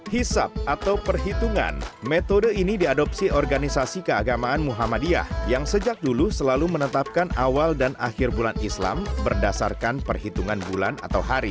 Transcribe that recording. hisap atau perhitungan metode ini diadopsi organisasi keagamaan muhammadiyah yang sejak dulu selalu menetapkan awal dan akhir bulan islam berdasarkan perhitungan bulan atau hari